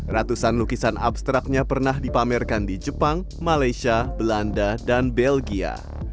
ratusan lukisan abstraknya pernah dipamerkan di jepang malaysia belanda dan belgia